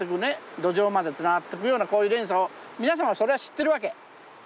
土壌までつながってくようなこういう連鎖を皆さんはそれは知ってるわけ。